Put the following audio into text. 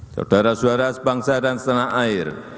saudara saudara sebangsa dan setanah air